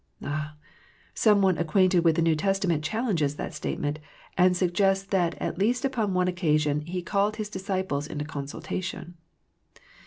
Ah, some one ac quainted with the JS'ew Testament challenges that statement, and suggests that at least upon one occasion He called His disciples into Consultation.